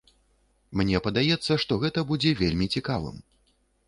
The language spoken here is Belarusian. Мне падаецца, што гэта будзе вельмі цікавым.